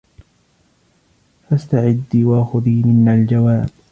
فاستعدي وخذي منا الجواب